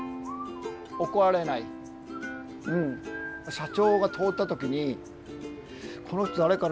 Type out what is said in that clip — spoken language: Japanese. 社長が通った時に「この人誰かな？」。